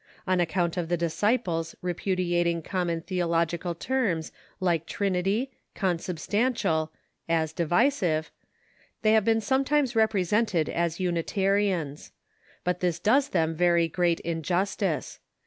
On account of the Disciples repudiating common theological terms like "trinity," "con substantial," as divisive, they have been sometimes represented as Unitarians. But this does them very great injustice.